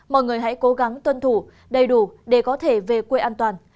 mọi người hãy cố gắng tuân thủ đầy đủ để có thể về quê an toàn